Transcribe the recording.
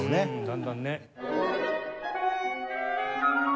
だんだんね。